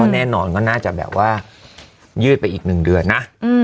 แน่นอนก็น่าจะแบบว่ายืดไปอีก๑เดือนนะ